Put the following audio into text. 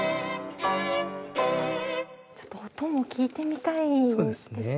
ちょっと音も聴いてみたいんですけれども。